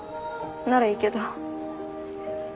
ならいいけど。